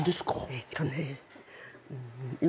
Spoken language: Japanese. えっとねん